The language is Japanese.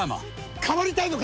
変わりたいのか！